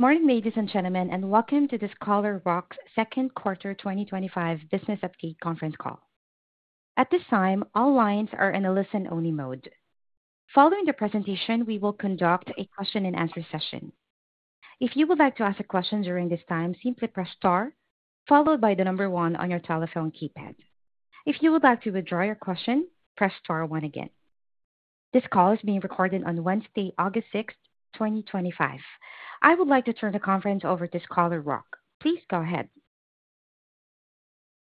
Good morning, ladies and gentlemen, and welcome to this Scholar Rock Second Quarter 2025 Business Update Conference Call. At this time, all lines are in a listen-only mode. Following the presentation, we will conduct a question and answer session. If you would like to ask a question during this time, simply press star followed by the number one on your telephone keypad. If you would like to withdraw your question, press star one again. This call is being recorded on Wednesday, August 6, 2025. I would like to turn the conference over to Scholar Rock. Please go ahead.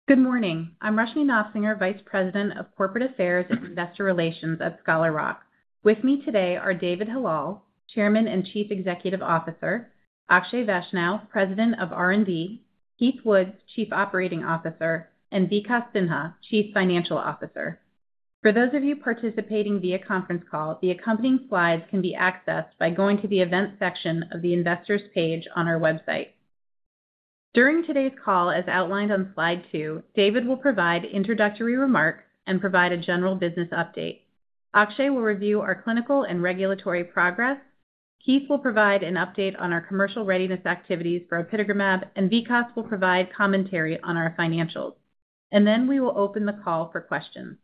Good morning. I'm Rushmie Nofsinger, Vice President of Corporate Affairs, Investor Relations at Scholar Rock. With me today are David Hallal, Chairman and Chief Executive Officer, Akshay Vaishnaw, President of R&D, Keith Woods, Chief Operating Officer, and Vikas Sinha, Chief Financial Officer. For those of you participating via conference call, the accompanying slides can be accessed by going to the Events section of the Invest page on our website. During today's call, as outlined on slide 2, David will provide introductory remarks and provide a general business update. Akshay will review our clinical and regulatory progress, Keith will provide an update on our commercial readiness activities for apitegromab, and Vikas will provide commentary on our financials. Then we will open the call for questions.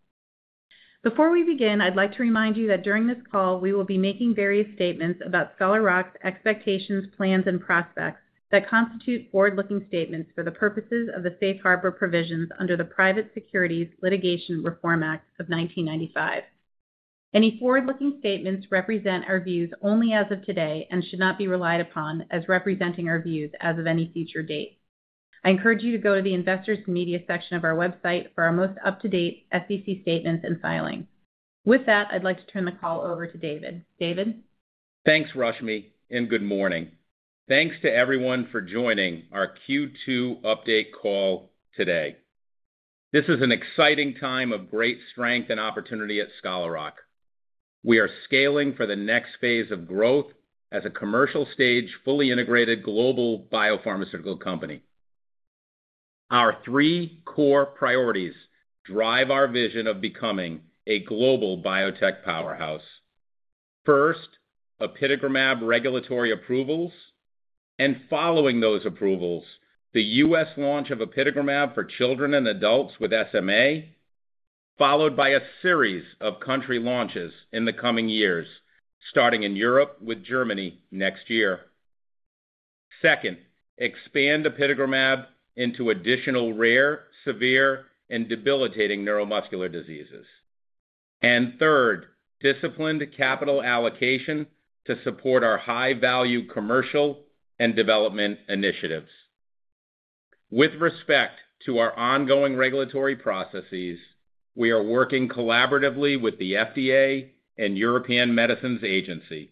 Before we begin, I'd like to remind you that during this call we will be making various statements about Scholar Rock's expectations, plans, and prospects that constitute forward-looking statements for the purposes of the safe harbor provisions under the Private Securities Litigation Reform Act of 1995. Any forward-looking statements represent our views only as of today and should not be relied upon as representing our views as of any future date. I encourage you to go to the Investors Media section of our website for our most up-to-date SEC statements and filings. With that, I'd like to turn the call over to David. Thanks Rushmie and good morning. Thanks to everyone for joining our Q2 update call today. This is an exciting time of great strength and opportunity at Scholar Rock. We are scaling for the next phase of growth as a commercial stage fully integrated global biopharmaceutical company. Our three core priorities drive our vision of becoming a global biotech powerhouse. First, apitegromab regulatory approvals and following those approvals, the U.S. launch of apitegromab for children and adults with SMA, followed by a series of country launches in the coming years starting in Europe with Germany next year. Second, expand apitegromab into additional rare, severe and debilitating neuromuscular diseases and third, disciplined capital allocation to support our high value commercial and development initiatives. With respect to our ongoing regulatory processes, we are working collaboratively with the FDA and European Medicines Agency.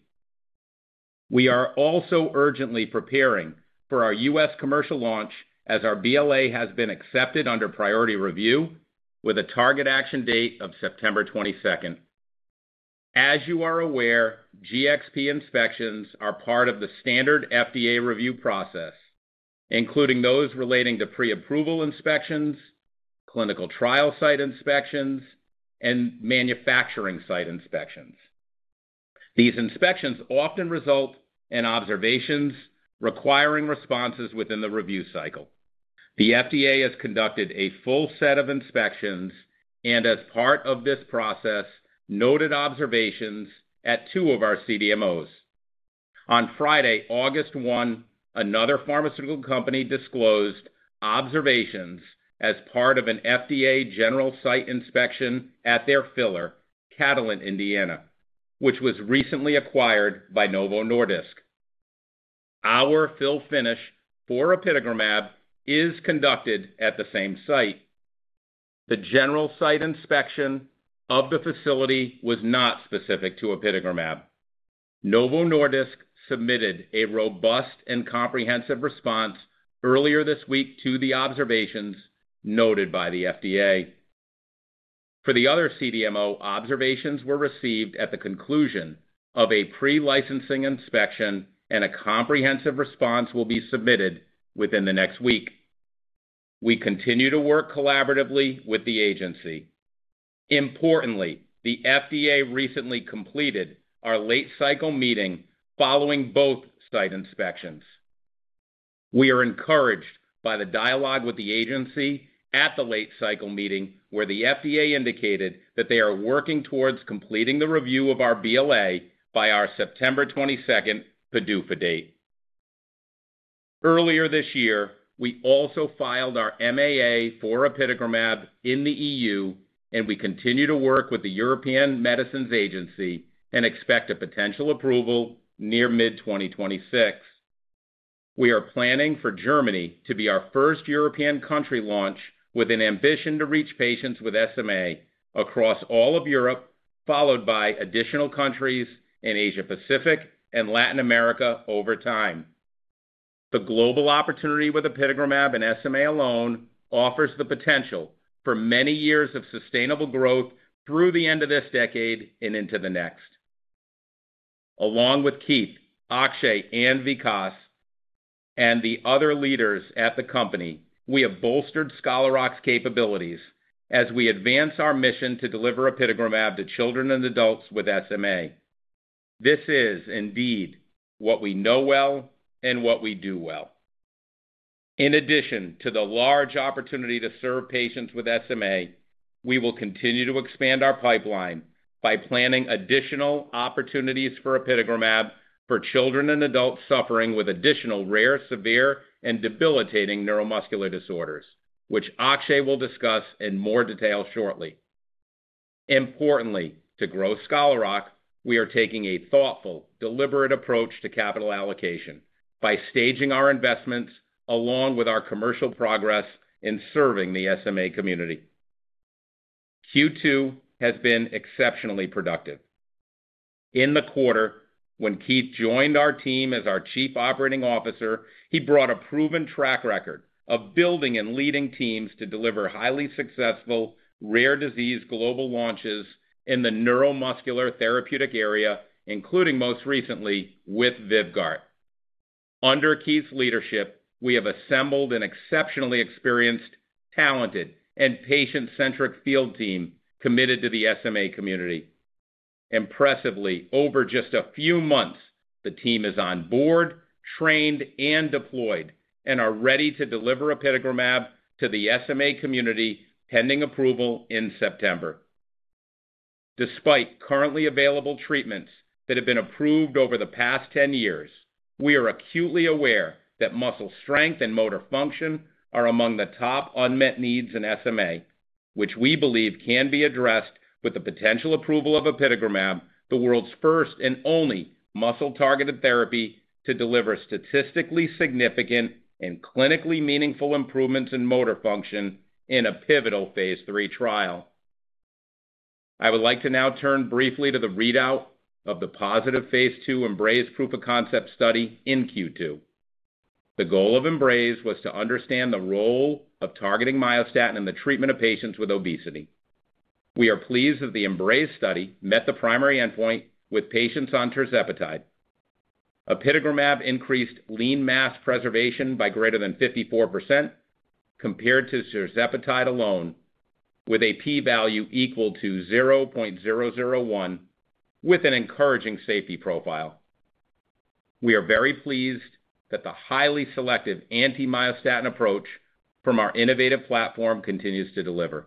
We are also urgently preparing for our U.S. commercial launch as our BLA has been accepted under priority review with a target action date of September 22nd. As you are aware, GXP inspections are part of the standard FDA review process including those relating to preapproval inspections, clinical trial site inspections and manufacturing site inspections. These inspections often result in observations requiring responses within the review cycle. The FDA has conducted a full set of inspections and as part of this process noted observations at two of our CDMOs. On Friday, August 1st, another pharmaceutical company disclosed observations as part of an FDA general site inspection at their filler, Catalent Indiana, which was recently acquired by Novo Nordisk. Our fill finish for apitegromab is conducted at the same site. The general site inspection of the facility was not specific to apitegromab. Novo Nordisk submitted a robust and comprehensive response earlier this week to the observations noted by the FDA for the other CDMO. Observations were received at the conclusion of a pre-licensing inspection and a comprehensive response will be submitted within the next week. We continue to work collaboratively with the agency. Importantly, the FDA recently completed our late cycle meeting following both site inspections. We are encouraged by the dialogue with the agency at the late cycle meeting where the FDA indicated that they are working towards completing the review of our BLA by our September 22nd PDUFA date. Earlier this year we also filed our MAA for apitegromab in the EU and we continue to work with the European Medicines Agency and expect a potential approval near mid-2026. We are planning for Germany to be our first European country launch with an ambition to reach patients with SMA across all of Europe, followed by additional countries in Asia Pacific and Latin America over time. and what we do well. In addition to the large opportunity to serve patients with SMA, we will continue to expand our pipeline by planning additional opportunities for apitegromab for children and adults suffering with additional rare, severe and debilitating neuromuscular disorders, which Akshay will discuss in more detail shortly. Importantly, to grow Scholar Rock we are taking a thoughtful, deliberate approach to capital allocation by staging our investments along with our commercial progress and in serving the SMA community. Q2 has been exceptionally productive in the quarter when Keith joined our team as our Chief Operating Officer, he brought a proven track record of building and leading teams to deliver highly successful rare disease global launches in the neuromuscular therapeutic area, including most recently with VYVGART. Under Keith's leadership we have assembled an exceptionally experienced, talented and patient-centric field team committed to the SMA community impressively over just a few months. The team is on board, trained and deployed and are ready to deliver apitegromab to the SMA community pending approval in September. Despite currently available treatments that have been approved over the past 10 years, we are acutely aware that muscle strength and motor function are among the top unmet needs in SMA, which we believe can be addressed with the potential approval of apitegromab, the world's first and only muscle-targeted therapy to deliver statistically significant and clinically meaningful improvements in motor function in a pivotal Phase 3 trial. I would like to now turn briefly to the readout of the positive Phase 2 EMBRACE proof of concept study in Q2. The goal of EMBRACE was to understand the role of targeting myostatin in the treatment of patients with obesity. We are pleased that the EMBRACE study met the primary endpoint with patients on tirzepatide. Apitegromab increased lean mass preservation by greater than 54% compared to tirzepatide alone with a P value equal to 0.001 with an encouraging safety profile. We are very pleased that the highly selective anti-myostatin approach from our innovative platform continues to deliver.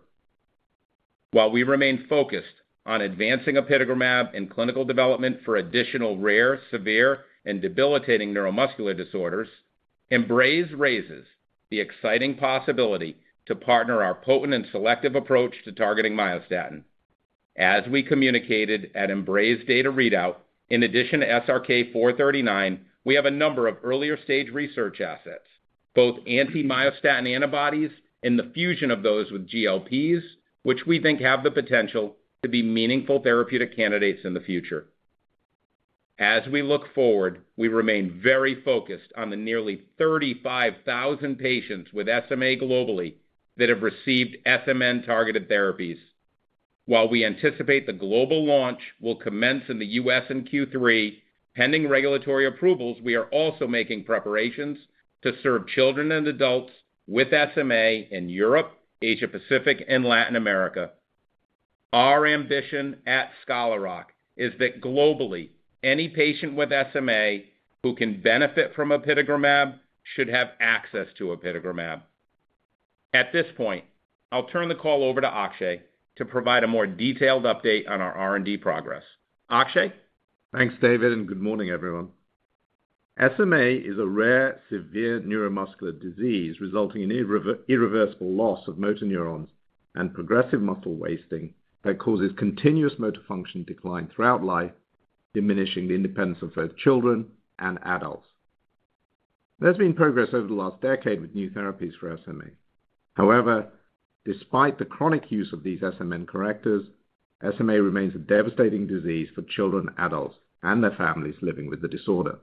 While we remain focused on advancing apitegromab in clinical development for additional rare, severe, and debilitating neuromuscular disorders, EMBRACE raises the exciting possibility to partner our potent and selective approach to targeting myostatin as we communicated at EMBRACE data readout. In addition to SRK-439, we have a number of earlier stage research assets, both anti-myostatin antibodies and the fusion of those with GLP-1s, which we think have the potential to be meaningful therapeutic candidates in the future. As we look forward, we remain very focused on the nearly 35,000 patients with SMA globally that have received SMN targeted therapies. While we anticipate the global launch will commence in the U.S. in Q3 pending regulatory approvals, we are also making preparations to serve children and adults with SMA in Europe, Asia Pacific, and Latin America. Our ambition at Scholar Rock is that globally, any patient with SMA who can benefit from apitegromab should have access to apitegromab. At this point, I'll turn the call over to Akshay to provide a more detailed update on our R&D progress. Akshay. Thanks David and good morning everyone. SMA is a rare, severe neuromuscular disease resulting in irreversible loss of motor neurons and progressive muscle wasting that causes continuous motor function decline throughout life, diminishing the independence of both children and adults. There's been progress over the last decade with new therapies for SMA. However, despite the chronic use of these SMN correctors, SMA remains a devastating disease for children, adults, and their families living with the disorder.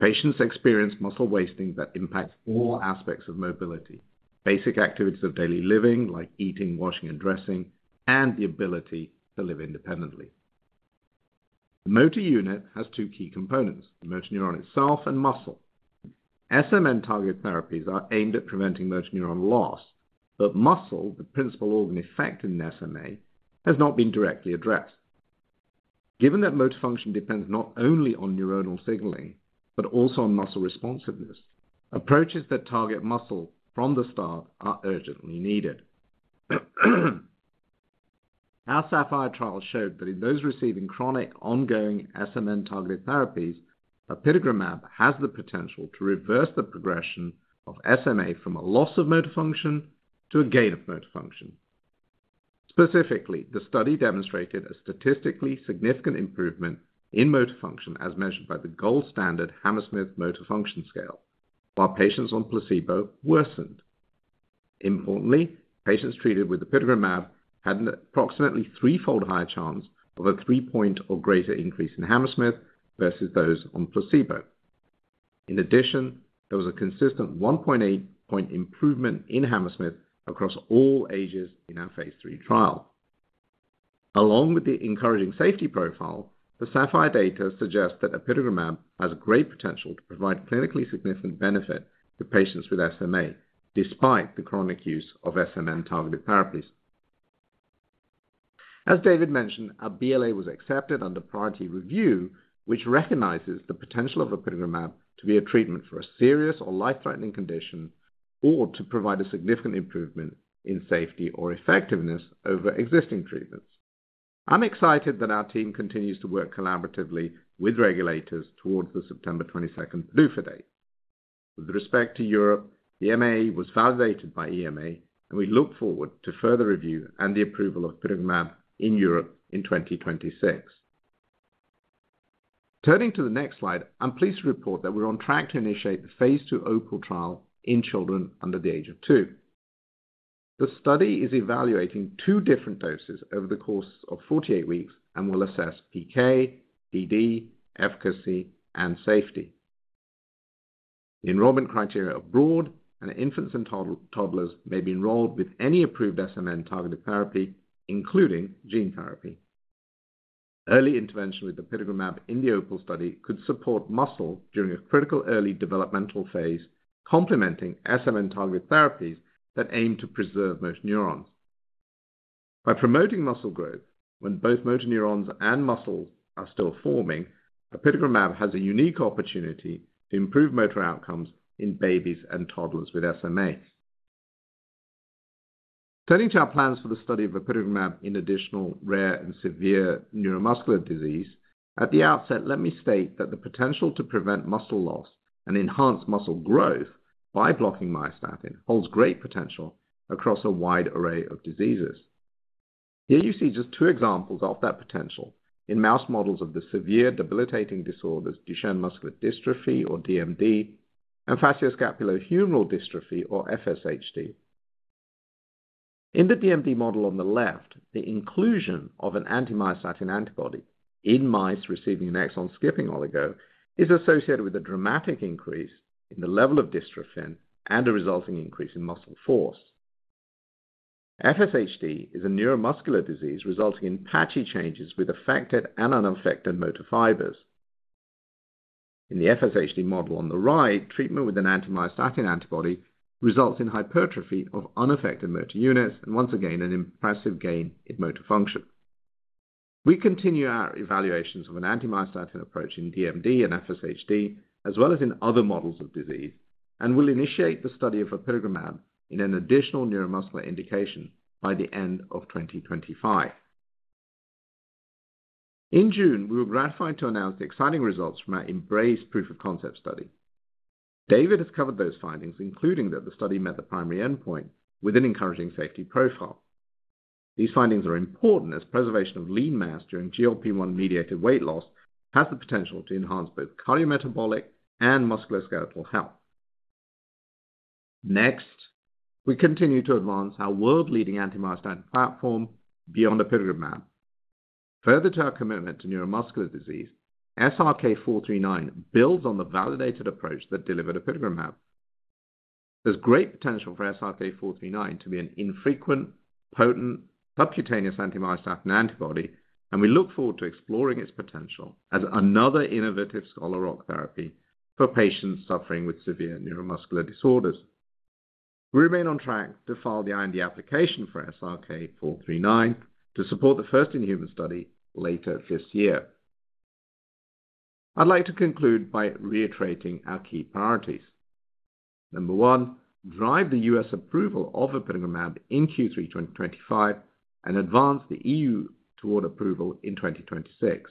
Patients experience muscle wasting that impacts all aspects of mobility, basic activities of daily living like eating, washing, and dressing, and the ability to live independently. The motor unit has two key components, the motor neuron itself and muscle. SMN-targeted therapies are aimed at preventing motor neuron loss, but muscle, the principal organ affected in SMA, has not been directly addressed. Given that motor function depends not only on neuronal signaling but also on muscle responsiveness, approaches that target muscle from the start are urgently needed. Our SAPPHIRE trial showed that in those receiving chronic, ongoing SMN-targeted therapies, apitegromab has the potential to reverse the progression of SMA from a loss of motor function to a gain of motor function. Specifically, the study demonstrated a statistically significant improvement in motor function as measured by the gold standard Hammersmith Motor Function Scale, while patients on placebo worsened. Importantly, patients treated with apitegromab had an approximately threefold higher chance of a three-point or greater increase in Hammersmith versus those on placebo. In addition, there was a consistent 1.8-point improvement in Hammersmith across all ages in our Phase 3 trial. Along with the encouraging safety profile, the SAPPHIRE data suggests that apitegromab has great potential to provide clinically significant benefit to patients with SMA despite the chronic use of SMN-targeted therapies. As David mentioned, a BLA was accepted under priority review, which recognizes the potential of apitegromab to be a treatment for a serious or life-threatening condition or to provide a significant improvement in safety or effectiveness over existing treatments. I'm excited that our team continues to work collaboratively with regulators towards the September 22 PDUFA date. With respect to Europe, the MAA was validated by EMA and we look forward to further review and the approval of apitegromab in Europe in 2026. Turning to the next slide, I'm pleased to report that we're on track to initiate the Phase 2 OPAL trial in children under the age of two. The study is evaluating two different doses over the course of 48 weeks and will assess PK, PD, efficacy, and safety. The enrollment criteria are broad and infants and toddlers may be enrolled with any approved SMN-targeted therapy, including gene therapy. Early intervention with apitegromab in the OPAL study could support muscle during a critical early developmental phase, complementing SMN-targeted therapies that aim to preserve motor neurons by promoting muscle growth. When both motor neurons and muscle are still forming, apitegromab has a unique opportunity to improve motor outcomes in babies and toddlers with SMA. Turning to our plans for the study of apitegromab in additional rare and severe neuromuscular disease, at the outset let me state that the potential to prevent muscle loss and enhance muscle growth by blocking myostatin holds great potential across a wide array of diseases. Here you see just two examples of that potential in mouse models of the severe debilitating disorders Duchenne muscular dystrophy, or DMD, and facioscapulohumeral dystrophy, or FSHD. In the DMD model on the left, the inclusion of an anti-myostatin antibody in mice receiving an exon skipping oligo is associated with a dramatic increase in the level of dystrophin and a resulting increase in muscle force. FSHD is a neuromuscular disease resulting in patchy changes with affected and unaffected motor fibers. In the FSHD model on the right, treatment with an anti-myostatin antibody results in hypertrophy of unaffected motor units and once again an impressive gain in motor function. We continue our evaluations of an anti-myostatin approach in DMD and FSHD as well as in other models of disease, and will initiate the study of apitegromab in an additional neuromuscular indication by the end of 2025. In June, we were gratified to announce the exciting results from our EMBRACE Proof of Concept study. David has covered those findings, including that the study met the primary endpoint with an encouraging safety profile. These findings are important as preservation of lean mass during GLP-1–mediated weight loss has the potential to enhance both cardiometabolic and musculoskeletal health. Next, we continue to advance our world leading anti-myostatin platform beyond apitegromab. Further to our commitment to neuromuscular disease, SRK-439 builds on the validated approach that delivered apitegromab. There's great potential for SRK-439 to be an infrequent, potent, subcutaneous anti-myostatin antibody and we look forward to exploring its potential as another innovative Scholar Rock therapy for patients suffering with severe neuromuscular disorders. We remain on track to file the IND application for SRK-439 to support the first-in-human study later this year. I'd like to conclude by reiterating our key 1. Drive the U.S. approval of apitegromab in Q3 2025 and advance the EU toward approval in 2026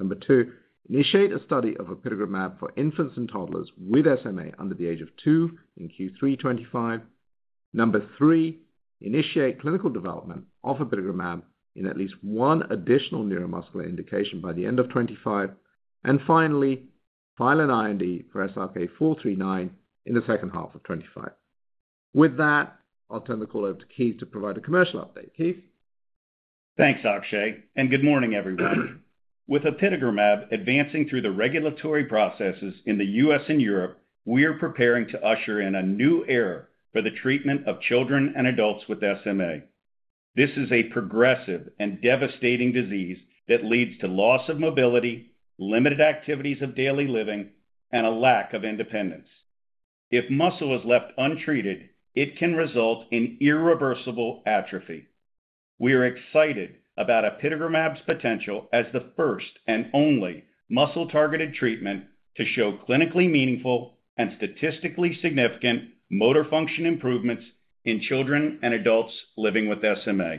2. Initiate a study of apitegromab for infants and toddlers with SMA under the age of 2 in Q3 2025 3. Initiate clinical development of apitegromab in at least one additional neuromuscular indication by the end of 2025 and finally, file an IND for SRK-439 in 2H 2025. With that, I'll turn the call over to Keith to provide a commercial update. Keith. Thanks Akshay, and good morning everyone. With apitegromab advancing through the regulatory processes in the U.S. and Europe, we are preparing to usher in a new era for the treatment of children and adults with SMA. This is a progressive and devastating disease that leads to loss of mobility, limited activities of daily living, and a lack of independence. If muscle is left untreated, it can result in irreversible atrophy. We are excited about apitegromab's potential as the first and only muscle-targeted treatment to show clinically meaningful and statistically significant motor function improvements in children and adults living with SMA.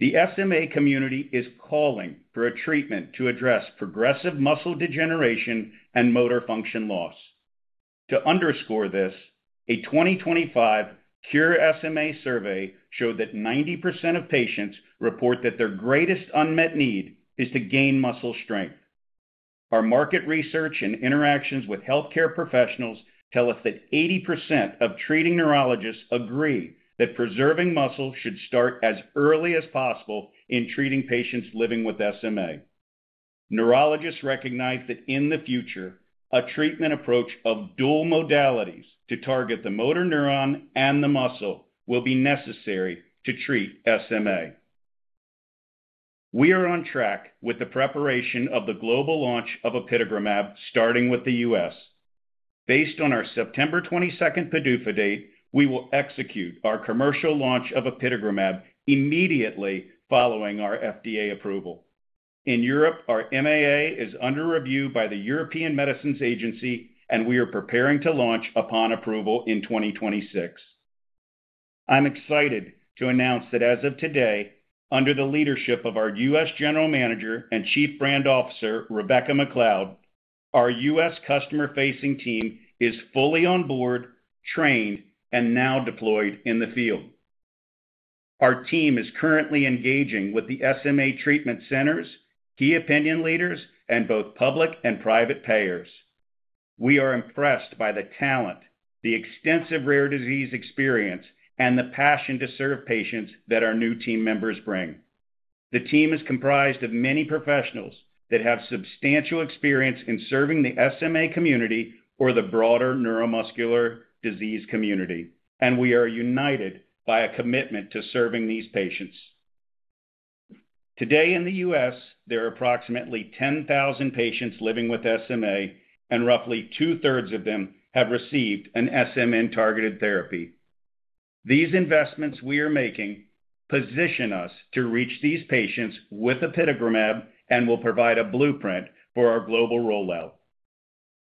The SMA community is calling for a treatment to address progressive muscle degeneration and motor function loss. To underscore this, a 2025 Cure SMA survey showed that 90% of patients report that their greatest unmet need is to gain muscle strength. Our market research and interactions with health care professionals tell us that 80% of treating neurologists agree that preserving muscle should start as early as possible in treating patients living with SMA. Neurologists recognize that in the future, a treatment approach of dual modalities to target the motor neuron and the muscle will be necessary to treat SMA. We are on track with the preparation of the global launch of apitegromab starting with the U.S. based on our September 22nd PDUFA date. We will execute our commercial launch of apitegromab immediately following our FDA approval in Europe. Our MAA is under review by the European Medicines Agency, and we are preparing to launch upon approval in 2026. I'm excited to announce that as of today, under the leadership of our U.S. General Manager and Chief Brand Officer Rebecca McLeod, our U.S. customer-facing team is fully on board, trained, and now deployed in the field. Our team is currently engaging with the SMA treatment centers, key opinion leaders, and both public and private payers. We are impressed by the talent, the extensive rare disease experience, and the passion to serve patients that our new team members bring. The team is comprised of many professionals that have substantial experience in serving the SMA community or the broader neuromuscular disease community, and we are united by a commitment to serving these patients. Today in the U.S. there are approximately 10,000 patients living with SMA, and roughly two thirds of them have received an SMN-targeted therapy. These investments we are making position us to reach these patients with apitegromab and will provide a blueprint for our global rollout.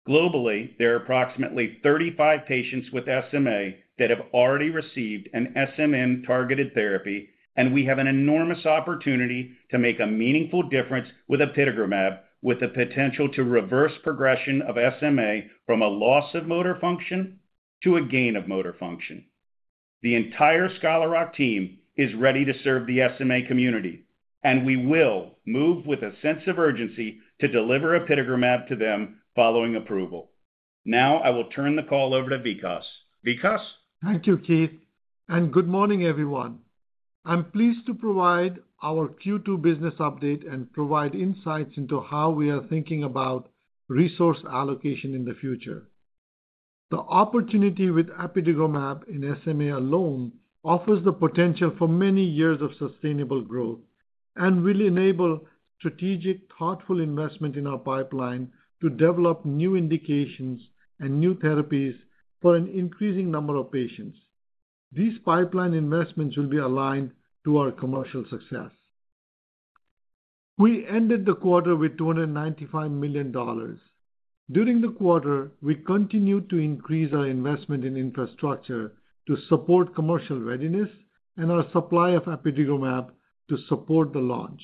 Globally, there are approximately 35,000 patients with SMA that have already received an SMN targeted therapy and we have an enormous opportunity to make a meaningful difference with apitegromab, with the potential to reverse progression of SMA from a loss of motor function to a gain of motor function. The entire Scholar Rock team is ready to serve the SMA community and we will move with a sense of urgency to deliver apitegromab to them following approval. Now I will turn the call over to Vikas. Vikas. Thank you, Keith, and good morning, everyone. I'm pleased to provide our Q2 business update and provide insights into how we are thinking about resource allocation in the future. The opportunity with apitegromab in SMA alone offers the potential for many years of sustainable growth and will enable strategic, thoughtful investment in our pipeline to develop new indications and new therapies for an increasing number of patients. These pipeline investments will be aligned to our commercial success. We ended the quarter with $295 million. During the quarter, we continued to increase our investment in infrastructure to support commercial readiness and our supply of apitegromab to support the launch.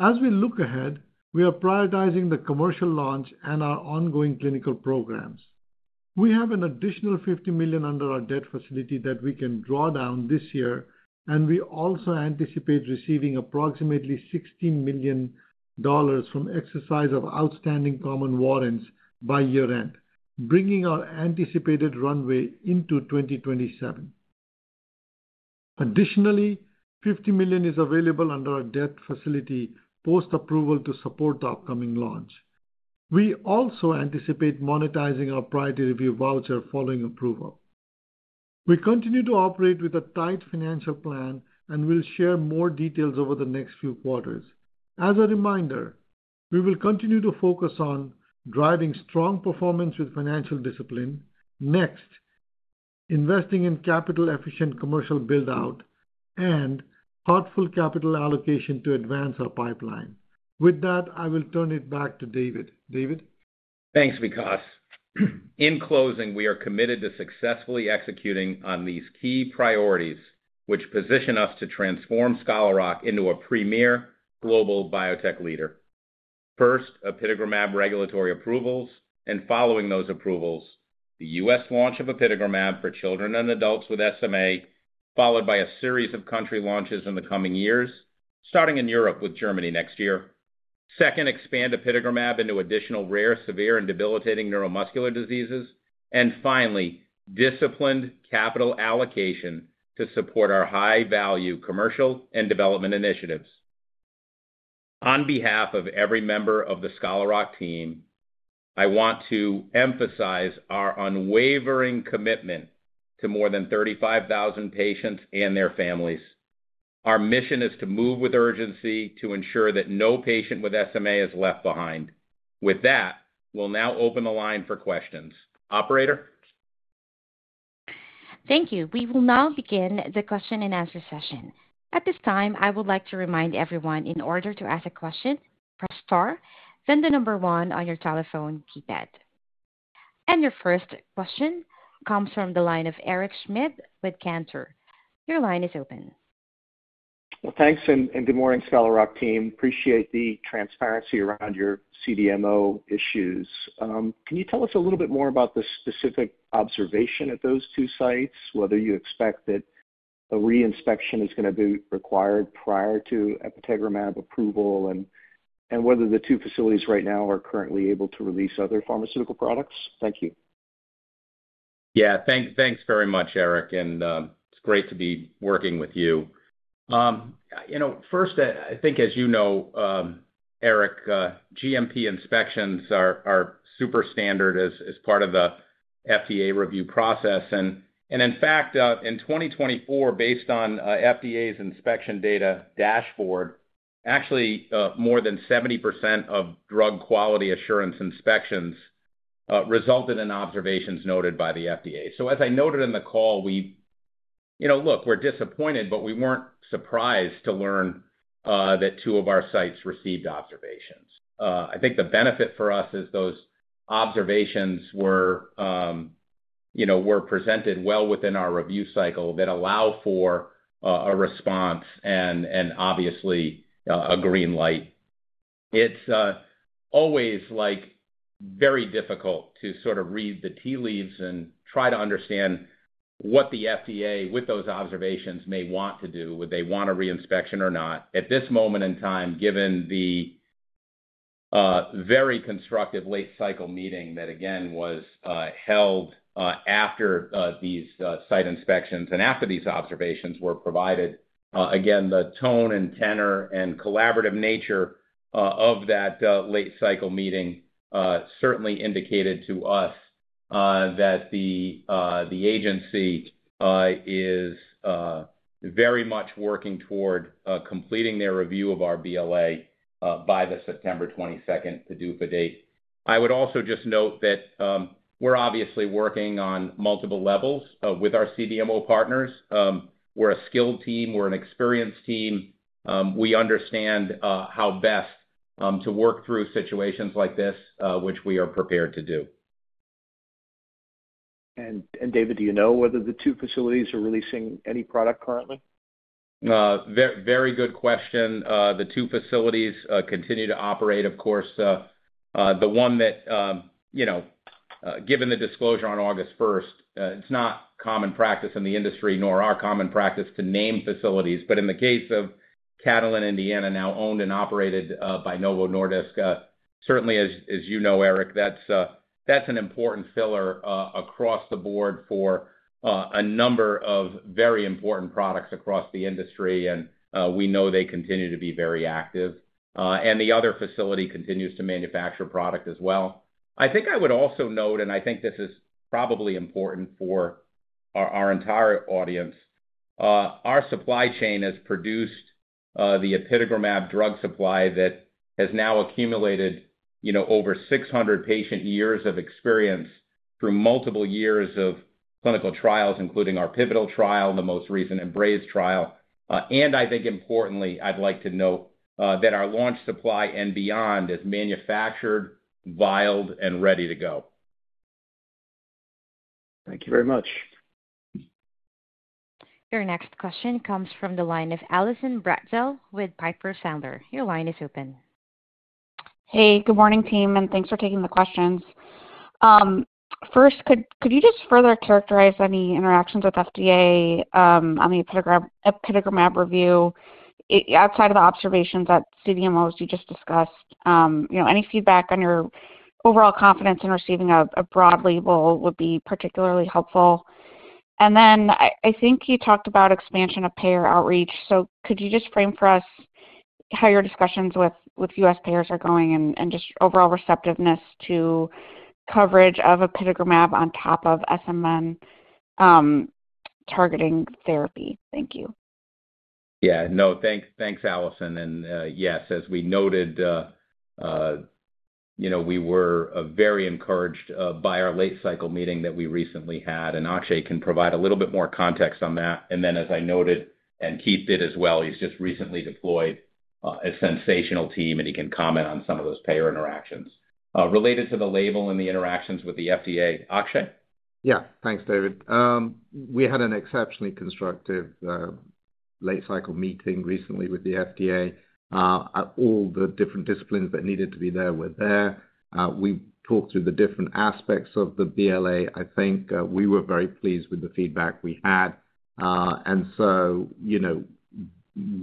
As we look ahead, we are prioritizing the commercial launch and our ongoing clinical programs. We have an additional $50 million under our debt facility that we can draw down this year, and we also anticipate receiving approximately $16 million from exercise of outstanding common warrants by year end, bringing our anticipated runway into 2027. Additionally, $50 million is available under our debt facility post approval to support the upcoming launch. We also anticipate monetizing our priority review voucher following approval. We continue to operate with a tight financial plan and will share more details over the next few quarters. As a reminder, we will continue to focus on driving strong performance with financial discipline. Next, investing in capital-efficient commercial build out and thoughtful capital allocation to advance our pipeline. With that, I will turn it back to David. Thanks Vikas. In closing, we are committed to successfully executing on these key priorities which position us to transform Scholar Rock into a premier global biotech leader. First, apitegromab regulatory approvals and following those approvals, the U.S. launch of apitegromab for children and adults with SMA, followed by a series of country launches in the coming years, starting in Europe with Germany next year. Second, expand apitegromab into additional rare, severe and debilitating neuromuscular diseases, and finally, disciplined capital allocation to support our high value commercial and development initiatives. On behalf of every member of the Scholar Rock team, I want to emphasize our unwavering commitment to more than 35,000 patients and their families. Our mission is to move with urgency to ensure that no patient with SMA is left behind. With that, we'll now open the line for questions. Operator. Thank you. We will now begin the question and answer session. At this time, I would like to remind everyone, in order to ask a question, press star, then the number one on your telephone keypad. Your first question comes from the line of Eric Schmidt with Cantor. Your line is open. Thank you and good morning, Scholar Rock team. Appreciate the transparency around your contract development and manufacturing organization issues. Can you tell us a little bit more about the specific observation at those two sites? Whether you expect that a reinspection is going to be required prior to apitegromab approval and whether the two facilities right now are currently able to release other pharmaceutical products. Thank you. Yeah, thanks very much, Eric. It's great to be working with you. First, I think, as you know, Eric, GMP inspections are super standard as part of the FDA review process. In fact, in 2024, based on FDA's Inspection Data Dashboard, actually more than 70% of drug quality assurance inspections resulted in observations noted by the FDA. As I noted in the call, we're disappointed, but we weren't surprised to learn that two of our sites received observations. I think the benefit for us is those observations were presented well within our review cycle that allow for a response and obviously a green light. It's always very difficult to sort of read the tea leaves and try to understand what the FDA with those observations may want to do, would they want a reinspection or not at this moment in time. Given the very constructive late cycle meeting that again was held after these site inspections and after these observations were provided, the tone and tenor and collaborative nature of that late cycle meeting certainly indicated to us that the agency is very much working toward completing their review of our BLA by the September 22, PDUFA date. I would also just note that we're obviously working on multiple levels with our CDMO partners. We're a skilled team, we're an experienced team. We understand how best to work through situations like this, which we are prepared to do. David, do you know whether the two facilities are releasing any product currently? Very good question. The two facilities continue to operate. Of course, the one that, you know, given the disclosure on August 1, it's not common practice in the industry, nor our common practice to name facilities. In the case of Catalent Indiana, now owned and operated by Novo Nordisk, certainly, as you know, Eric, that's an important filler across the board for a number of very important products across the industry. We know they continue to be very active, and the other facility continues to manufacture product as well. I think I would also note, and I think this is probably important for our entire audience, our supply chain has produced the apitegromab drug supply that has now accumulated over 600 patient years of experience through multiple years of clinical trials, including our pivotal trial, the most recent EMBRACE study. Importantly, I'd like to note that our launch supply and beyond is manufactured, vialed, and ready to go. Thank you very much. Your next question comes from the line of Allison Bratzel with Piper Sandler. Your line is open. Hey, good morning team, and thanks for taking the questions. First, could you just further characterize any interactions with FDA? I mean, for apitegromab review outside of the observations at CDMOs you just discussed. Any feedback on your overall confidence in receiving a broad label would be particularly helpful. I think you talked about expansion of payer outreach. Could you just frame for us how your discussions with U.S. payers are going and just overall receptiveness to coverage of apitegromab on top of SMN targeting therapy. Thank you. Yeah, no thanks. Thanks, Allison. Yes, as we noted, we were very encouraged by our late cycle meeting that we recently had. Akshay can provide a little bit more context on that. As I noted, and Keith did as well, he's just recently deployed a sensational team, and he can comment on some of those payer interactions related to the label and the interactions with the FDA. Yeah, thanks, David. We had an exceptionally constructive late-cycle meeting recently with the FDA. All the different disciplines that needed to be there were there. We talked through the different aspects of the BLA. I think we were very pleased with the feedback we had.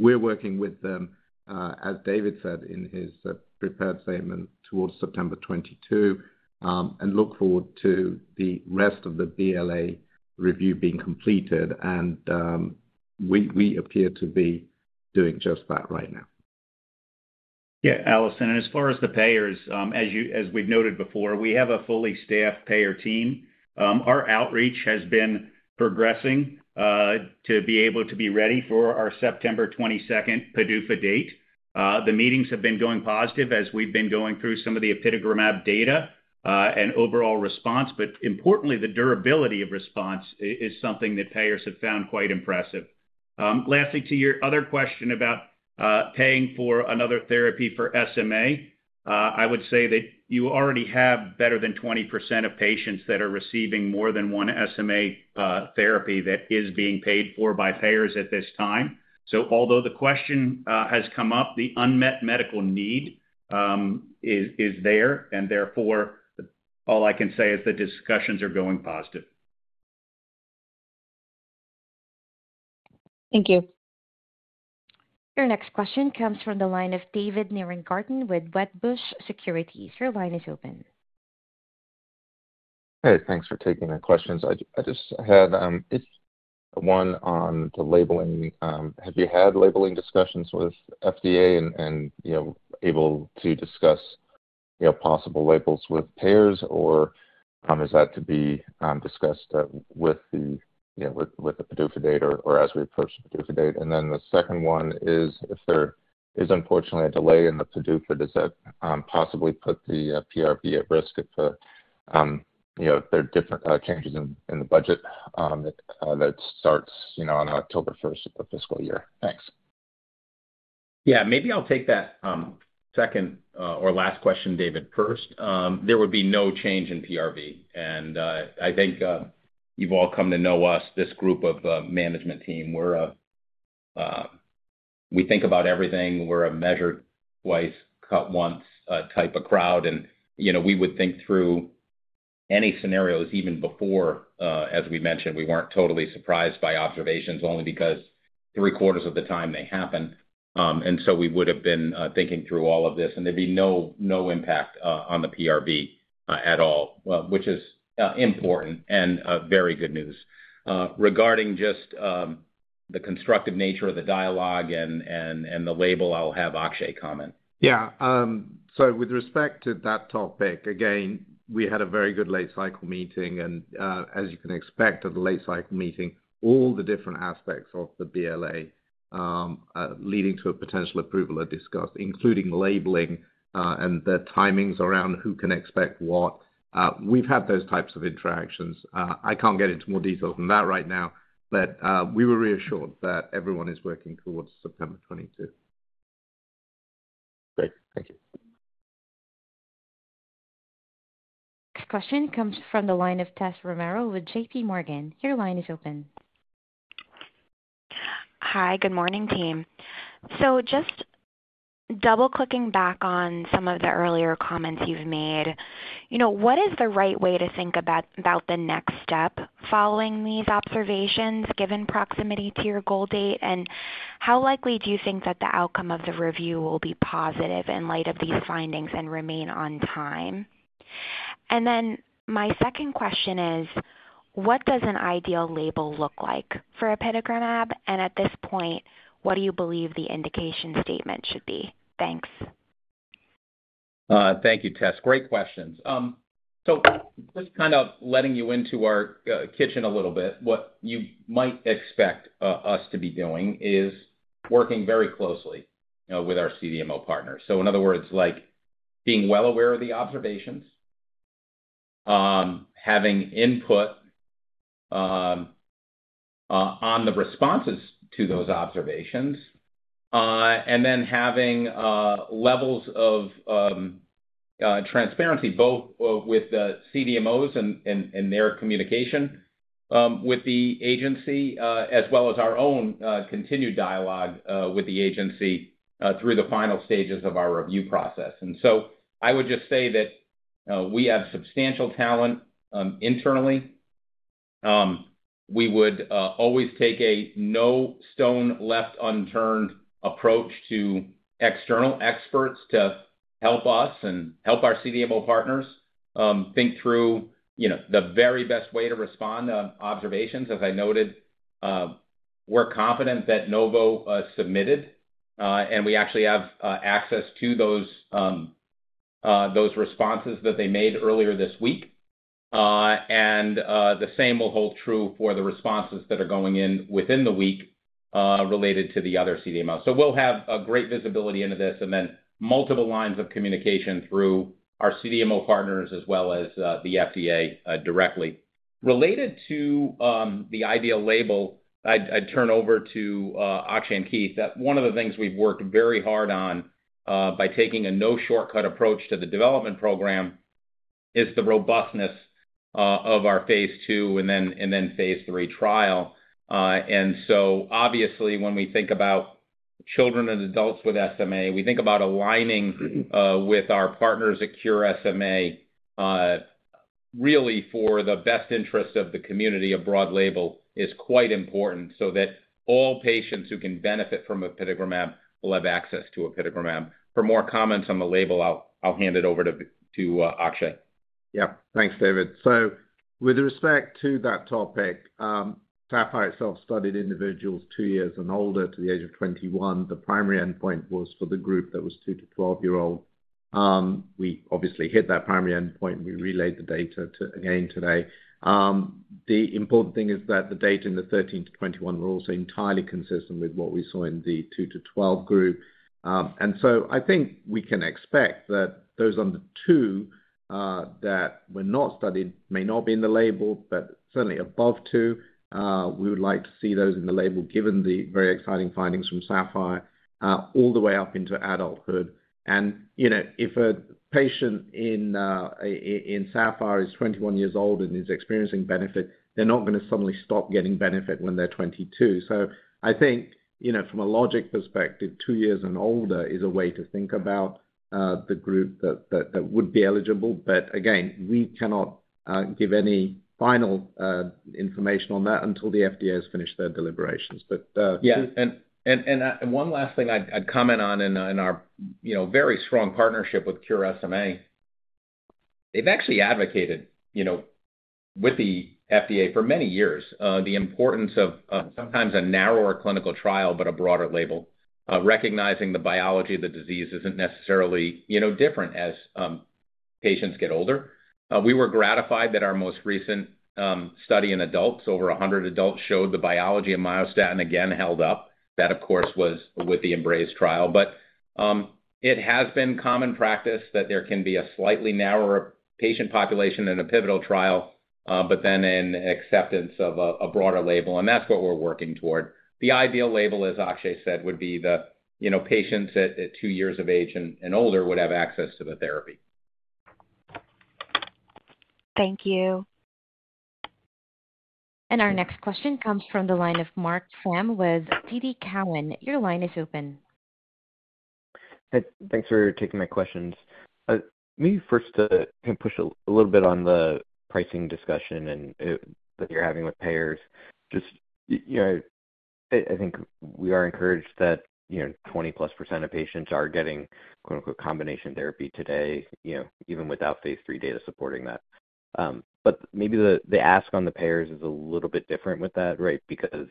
We are working with them, as David said in his prepared statement, towards September 22nd and look forward to the rest of the BLA review being completed. We appear to be doing just that right now. Yeah, Allison. As far as the payers, as we've noted before, we have a fully staffed payer team. Our outreach has been progressing to be ready for our September 22 PDUFA date. The meetings have been going positive as we've been going through some of the apitegromab data and overall response. Importantly, the durability of response is something that payers have found quite impressive. Lastly, to your other question about paying for another therapy for SMA, I would say that you already have better than 20% of patients that are receiving more than one SMA therapy that is being paid for by payers at this time. Although the question has come up, the unmet medical need is there and therefore all I can say is the discussions are going positive. Thank you. Your next question comes from the line of David Nierengarten with Wedbush Securities. Your line is open. Hey, thanks for taking my questions. I just had one on the labeling. Have you had labeling discussions with the FDA and able to discuss possible labels with payers, or is that to be discussed with the PDUFA date or as we approach the PDUFA date? The second one is, if there is unfortunately a delay in the PDUFA, does that possibly put the PRB at risk if there are different changes in the budget that starts on October 1st fiscal year? Thanks. Yeah, maybe I'll take that second or last question, David. First, there would be no change in PRV. I think you've all come to know us, this group of management team, we think about everything. We're a measure twice cut once type of crowd. You know, we would think through any scenarios. Even before, as we mentioned, we weren't totally surprised by observations only because 75% of the time they happen. We would have been thinking through all of this and there'd be no impact on the PRV at all, which is important and very good news. Regarding just the constructive nature of the dialogue and the label, I'll have Akshay comment. Yeah. With respect to that topic, we had a very good late cycle meeting and as you can expect at the late cycle meeting, all the different aspects of the BLA leading to a potential approval are discussed, including labeling and the timings around who can expect what. We've had those types of interactions. I can't get into more detail than that right now, but we were reassured that everyone is working towards September 22nd. Great, thank you. Next question comes from the line of Tessa Romero with JPMorgan. Your line is open. Hi, good morning team. Just double clicking back on some of the earlier comments you've made. What is the right way to think about the next step following these observations, given proximity to your goal date, and how likely do you think that the outcome of the review will be positive in light of the findings and remain on time? My second question is what does an ideal label look like for apitegromab? At this point, what do you believe the indication statement should be? Thanks. Thank you, Tess. Great questions. Just kind of letting you into our kitchen a little bit, what you might expect us to be doing is working very closely with our contract development and manufacturing organization partners. In other words, being well aware of the observations and having input on the responses to those observations and then having levels of transparency both with the CDMOs and their communication with the agency, as well as our own continued dialogue with the agency through the final stages of our review process. I would just say that we have substantial talent internally. We would always take a no stone left unturned approach to external experts to help us and help our CDMO partners think through the very best way to respond on observations. As I noted, we're confident that Novo Nordisk submitted and we actually have access to those responses that they made earlier this week. The same will hold true for the responses that are going in within the week related to the other CDMO. We will have great visibility into this and then multiple lines of communication through our CDMO partners as well as the FDA directly related to the ideal label. I'd turn over to Akshay and Keith. One of the things we've worked very hard on by taking a no shortcut approach to the development program is the robustness of our Phase 2 and then Phase 3 trial. Obviously, when we think about children and adults with SMA, we think about aligning with our partners at Cure SMA really for the best interest of the community. A broad label is quite important so that all patients who can benefit from apitegromab will have access to apitegromab. For more comments on the label, I'll hand it over to Akshay. Yeah, thanks, David. With respect to that topic, SAFIRE itself studied individuals 2 years and older to the age of 21. The primary endpoint was for the group that was 2 to 12 years old. We obviously hit that primary endpoint. We relayed the data again today. The important thing is that the data in the 13 to 21 were also entirely consistent with what we saw in the 2 to 12 group. I think we can expect that those under 2 that were not studied may not be in the label, but certainly above 2, we would like to see those in the label, given the very exciting findings from SAFIRE all the way up into adulthood. If a patient in SAFIRE is 21 years old and is experiencing benefit, they're not going to suddenly stop getting benefit when they're 22. I think, from a logic perspective, 2 years and older is a way to think about the group that would be eligible. Again, we cannot give any final information on that until the FDA has finished their deliberations. Yes, and one last thing I'd comment on. In our very strong partnership with Cure SMA, they've actually advocated with the FDA for many years the importance of sometimes a narrower clinical trial, but a broader label. Recognizing the biology of the disease isn't necessarily different as patients get older. We were gratified that our most recent study in adults, over 100 adults, showed the biology of myostatin again held up. That, of course, was with the EMBRACE study. It has been common practice that there can be a slightly narrower patient population in a pivotal trial, but then an acceptance of a broader label, and that's what we're working toward. The ideal label, as Akshay said, would be the, you know, patients at 2 years of age and older would have access to the therapy. Thank you. Our next question comes from the line of Marc Frahm with TD Cowen. Your line is open. Thanks for taking my questions. Maybe first push a little bit on the pricing discussion that you're having with payers. I think we are encouraged that, you know, 20+% of patients are getting quote unquote combination therapy today, you know, even without phase 3 data supporting that. Maybe the ask on the payers is a little bit different with that. Right. Because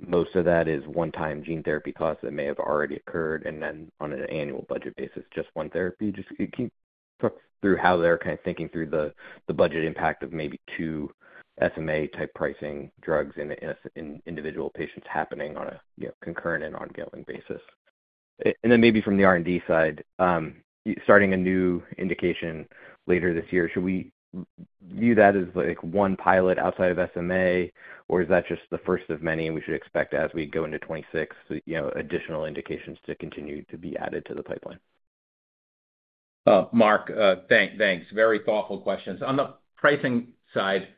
most of that is one-time gene therapy costs that may have already occurred. On an annual budget basis, just one therapy. Can you talk through how they're kind of thinking through the budget impact of maybe two spinal muscular atrophy type pricing drugs in individual patients happening on a concurrent and ongoing basis, and then maybe from the R&D side starting a new indication later this year? Should we view that as like one pilot outside of spinal muscular atrophy, or is that just the first of many and we should expect as we go into 2026, you know, additional indications to continue to be added to the pipeline. Mark, thanks. Thanks. Very thoughtful questions on the pricing side.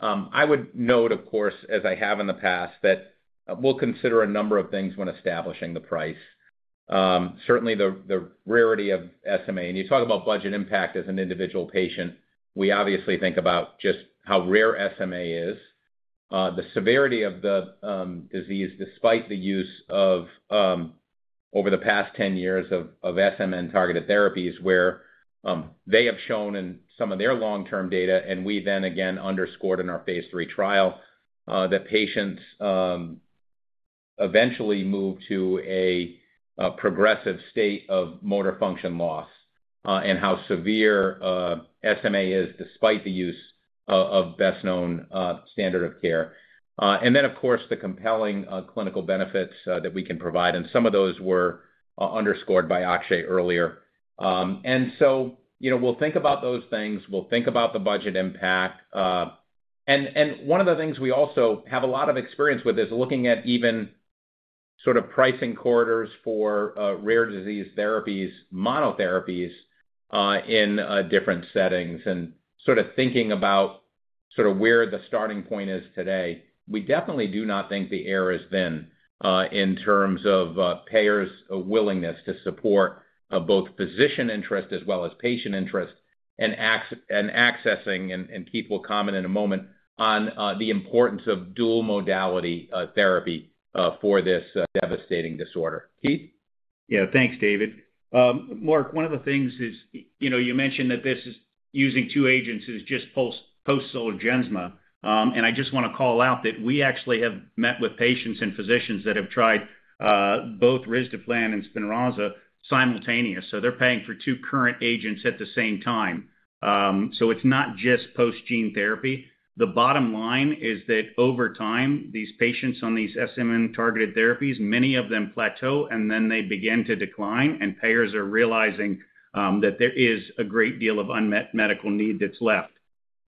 I would note, of course, as I have in the past, that we'll consider a number of things when establishing the price, certainly the rarity of SMA. You talk about budget impact as an individual patient, we obviously think about just how rare SMA is, the severity of the disease, despite the use of over the past 10 years of SMN targeted therapies where they have shown in some of their long-term data. We then again underscored in our Phase 3 trial that patients eventually move to a progressive state of motor function loss and how severe SMA is despite the use of best known standard of care. Of course, the compelling clinical benefits that we can provide, and some of those were underscored by Akshay earlier. We’ll think about those things, we’ll think about the budget impact, and one of the things we also have a lot of experience with is looking at even sort of pricing corridors for rare disease therapies, monotherapies in different settings, and sort of thinking about where the starting point is today. We definitely do not think the air is thin in terms of payers’ willingness to support both physician interest as well as patient interest in accessing. Keith will comment in a moment on the importance of dual modality therapy for this devastating disorder. Keith? Yeah, thanks David. Marc, one of the things is, you know you mentioned that this is using two agents is just post Zolgensma and I just want to call out that we actually have met with patients and physicians that have tried both Risdiplam and Spinraza simultaneous. They're paying for two current agents at the same time. It's not just post gene therapy. The bottom line is that over time these patients on these SMN targeted therapies, many of them plateau and then they begin to decline and payers are realizing that there is a great deal of unmet medical need that's left.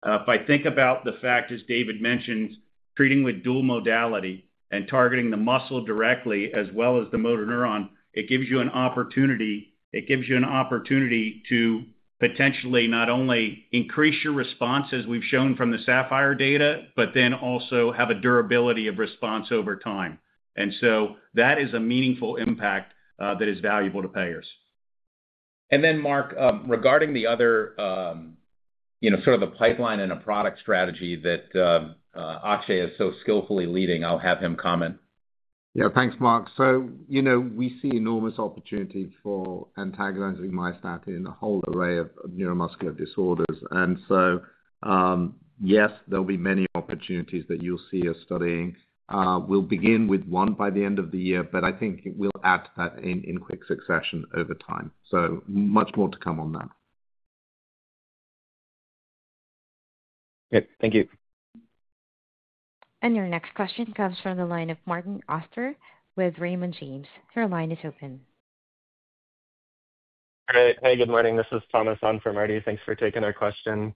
If I think about the fact, as David mentioned, treating with dual modality and targeting the muscle directly as well as the motor neuron, it gives you an opportunity. It gives you an opportunity to potentially not only increase your response, as we've shown from the SAFIRE data, but then also have a durability of response over time. That is a meaningful impact that is valuable to payers. Mark, regarding the other, you know, sort of the pipeline and a product strategy that Akshay is so skillfully leading, I'll have him comment. Yeah, thanks, Mark. We see enormous opportunity for antagonizing myostatin in a whole array of neuromuscular disorders. Yes, there'll be many opportunities that you'll see us studying. We'll begin with one by the end of the year, but I think we'll add to that in quick succession over time. Much more to come on that. Good. Thank you. Your next question comes from the line of Martin Auster with Raymond James. Your line is open. Hey, good morning. This is Thomas on for Martin. Thanks for taking our question.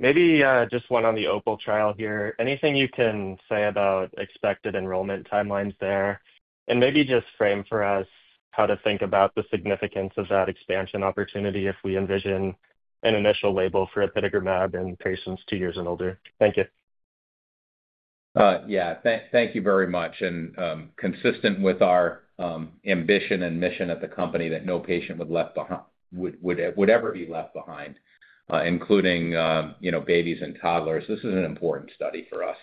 Maybe just one on the OPAL Phase 2 trial here. Anything you can say about expected enrollment timelines there, and maybe just frame for us how to think about the significance of that expansion opportunity if we envision an initial label for apitegromab in patients 2 years and older. Thank you. Thank you very much. Consistent with our ambition and mission at the company that no patient would ever be left behind, including babies and toddlers, this is an important study for us,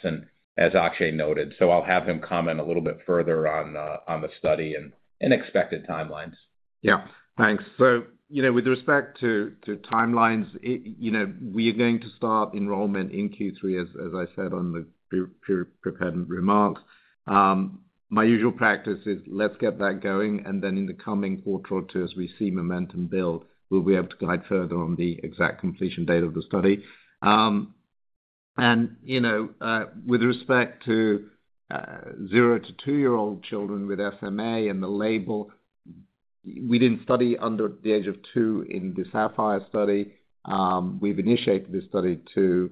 as Akshay noted. I'll have him comment a little bit further on the study and expected timelines. Yeah, thanks. With respect to timelines, we are going to start enrollment in Q3. As I said on the prepared remarks, my usual practice is let's get that going. In the coming quarter or two, as we see momentum build, we'll be able to guide further on the exact completion date of the study. With respect to zero to two year old children with spinal muscular atrophy and the label, we didn't study under the age of two in the SAPPHIRE study. We've initiated this study to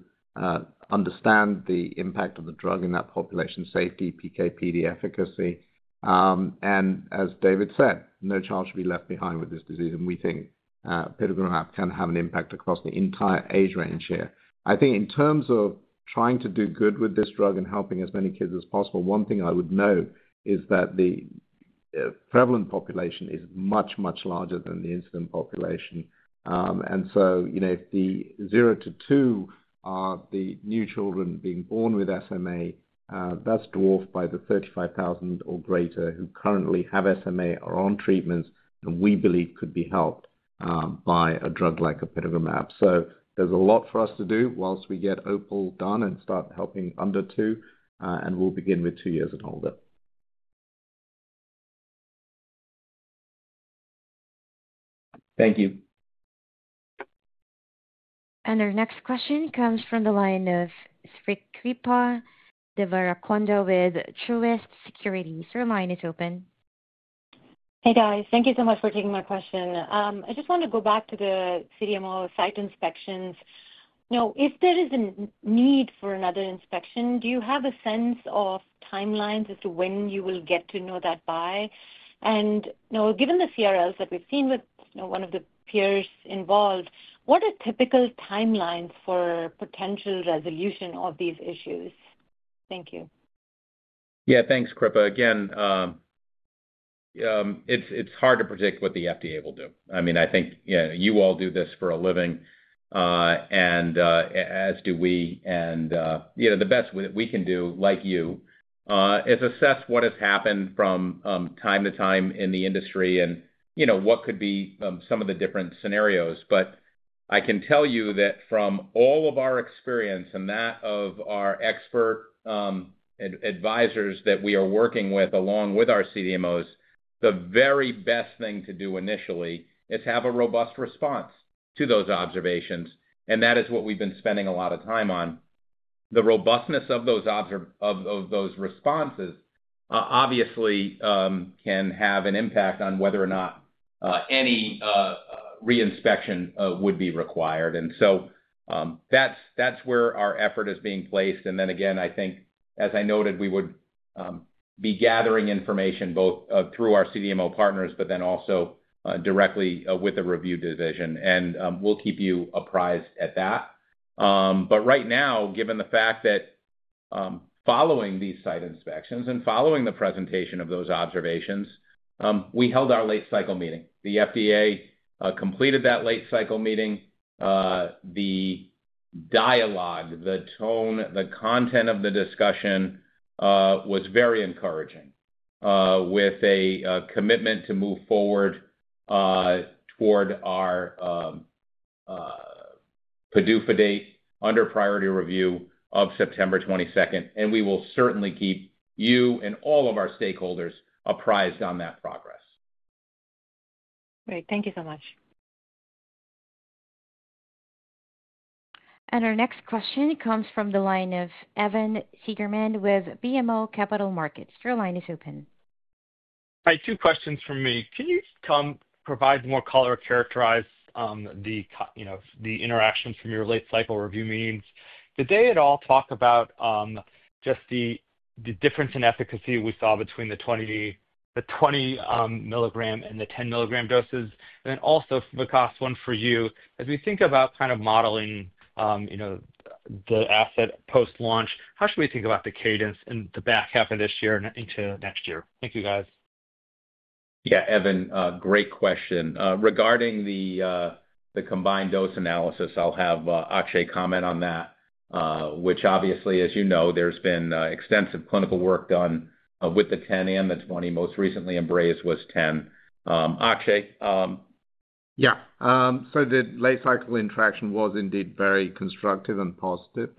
understand the impact of the drug in that population: safety, PK, PD, efficacy, and as David said, no child should be left behind with this disease. We think apitegromab can have an impact across the entire age range here. I think in terms of trying to do good with this drug and helping as many kids as possible, one thing I would note is that the prevalent population is much, much larger than the incident population. If the zero to two are the new children being born with spinal muscular atrophy, that's dwarfed by the 35,000 or greater who currently have spinal muscular atrophy, are on treatments, and we believe could be helped by a drug like apitegromab. There's a lot for us to do whilst we get OPAL done and start helping under two, and we'll begin with two years and older. Thank you. Our next question comes from the line of Srikripa Devarakonda with Truist Securities. Your line is open. Hey guys, thank you so much for taking my question. I just want to go back to the contract development and manufacturing organization site inspections now. If there is a need for another inspection, do you have a sense of timelines as to when you will get to know that by? Given the CRLs that we've seen with one of the peers involved, what are typical timelines for potential resolution of these issues? Thank you. Yeah, thanks, Kripa. Again, it's hard to predict what the FDA will do. I mean, I think you all do this for a living as do we. The best we can do, like you, is assess what has happened from time to time in the industry and what could be some of the different scenarios. I can tell you that from all of our experience and that of our expert advisors that we are working with along with our CDMOs, the very best thing to do initially is have a robust response to those observations. That is what we've been spending a lot of time on. The robustness of those responses obviously can have an impact on whether or not any reinspection would be required. That's where our effort is being placed. I think, as I noted, we would be gathering information both through our CDMO partners, but also directly with the review division. We'll keep you apprised of that. Right now, given the fact that following these site inspections and following the presentation of those observations, we held our late cycle meeting, the FDA completed that late cycle meeting. The dialogue, the tone, the content of the discussion was very encouraging, with a commitment to move forward toward our PDUFA date under priority review of September 22, and we will certainly keep you and all of our stakeholders apprised on that progress. Great. Thank you so much. Our next question comes from the line of Evan Seigerman with BMO Capital Markets. Your line is open. Hi. Two questions for me. Can you provide more color, characterize the interactions from your late cycle review meetings? Did they at all talk about the difference in efficacy we saw between the 20 mg and the 10 mg doses? Also, as we think about modeling the asset post launch, how should we think about the cadence in the back half of this year and into next year? Thank you, guys. Yeah, Evan, great question regarding the combined dose analysis. I'll have Akshay comment on that. As you know, there's been extensive clinical work done with the 10 mg and the 20 mg. Most recently, EMBRACE was 10 mg. Akshay. Yeah. The late cycle interaction was indeed very constructive and positive.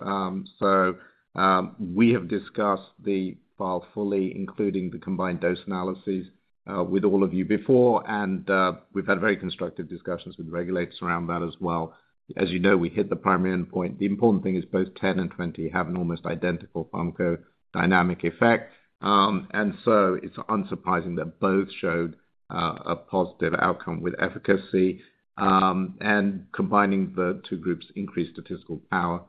We have discussed the file fully, including the combined dose analysis with all of you before, and we've had very constructive discussions with regulators around that as well. As you know, we hit the primary endpoint. The important thing is both 10 and 20 have an almost identical pharmacodynamic effect, so it's unsurprising that both showed a positive outcome with efficacy. Combining the two groups increased statistical power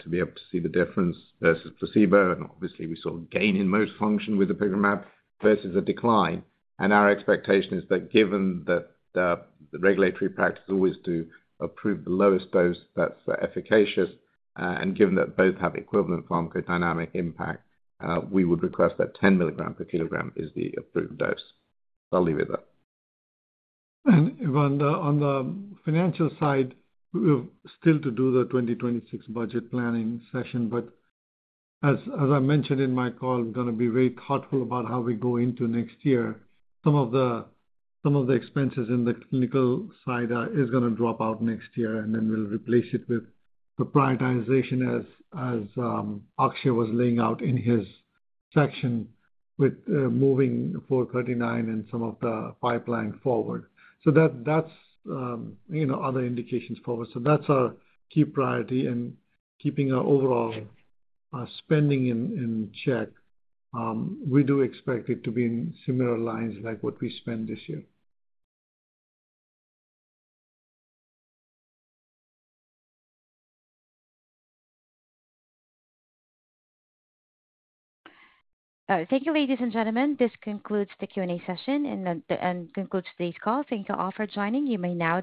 to be able to see the difference versus placebo. Obviously, we saw gain in motor function with apitegromab versus a decline. Our expectation is that, given that the regulatory practice is always to approve the lowest dose that's efficacious, and given that both have equivalent pharmacodynamic impact, we would request that 10 mg/kg is the approved dose. I'll leave it there. On the financial side, we're still to do the 2026 budget planning session. As I mentioned in my call, going to be very thoughtful about how we go into next year. Some of the expenses in the clinical side are going to drop out next year, and we'll replace it with the prioritization as Akshay was laying out in his section with moving SRK-439 and some of the pipeline forward. That's other indications forward. That's our key priority and keeping our overall spending in check. We do expect it to be in similar lines like what we spend this year. Thank you, ladies and gentlemen. This concludes the Q and A session and concludes today's call. Thank you all for joining. You may now.